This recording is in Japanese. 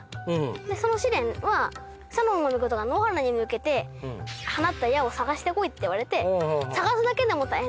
でその試練はスサノオノミコトが野原に向けて放った矢を探してこいって言われて探すだけでも大変で。